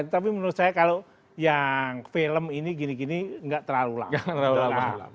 tapi menurut saya kalau yang film ini gini gini nggak terlalu lama